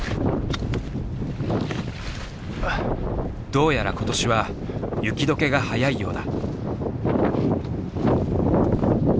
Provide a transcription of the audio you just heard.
どうやら今年は雪どけが早いようだ。